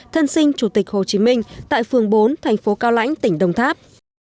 thân sinh chủ tịch hồ chí minh tại phường bốn thành phố cao lãnh tỉnh đồng tháp